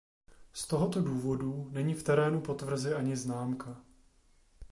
Z tohoto důvodu není v terénu po tvrzi ani známka.